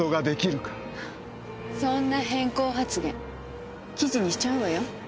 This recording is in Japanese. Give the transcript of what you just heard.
そんな偏向発言記事にしちゃうわよ。